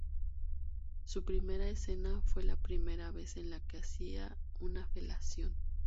Su primera escena fue la primera vez en la que hacía una felación.